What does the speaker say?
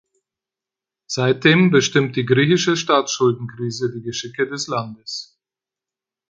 Seitdem bestimmt die Griechische Staatsschuldenkrise die Geschicke des Landes.